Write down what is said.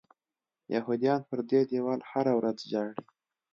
یهودیان پر دې دیوال هره ورځ ژاړي.